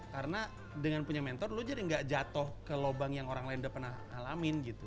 karena dengan punya mentor lo jadi gak jatoh ke lubang yang orang lain udah pernah alamin gitu